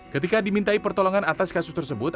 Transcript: ketika dimintai pertolongan atas kasus tersebut